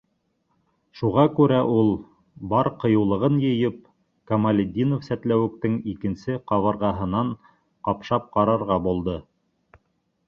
Шуға күрә ул, бар ҡыйыулығын йыйып, Камалетдинов-сәтләүектең икенсе ҡабырғаһынан ҡапшап ҡарарға булды.